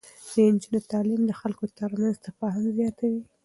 د نجونو تعليم د خلکو ترمنځ تفاهم زياتوي.